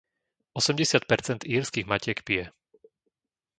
Osemdesiat percent írskych matiek pije.